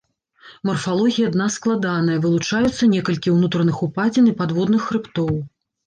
Марфалогія дна складаная, вылучаюцца некалькі ўнутраных упадзін і падводных хрыбтоў.